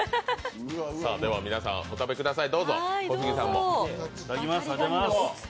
では、皆さん、お食べください。